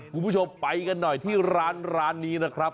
คุณผู้ชมไปกันหน่อยที่ร้านนี้นะครับ